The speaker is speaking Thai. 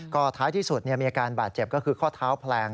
ก็ท้ายที่สุดมีอาการบาดเจ็บก็คือข้อเท้าแพลง